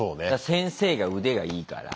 先生が腕がいいから。